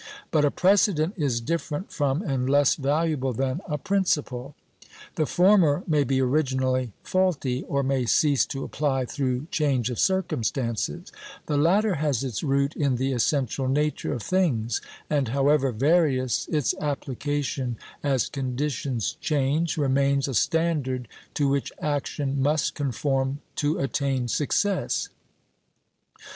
But a precedent is different from and less valuable than a principle. The former may be originally faulty, or may cease to apply through change of circumstances; the latter has its root in the essential nature of things, and, however various its application as conditions change, remains a standard to which action must conform to attain success.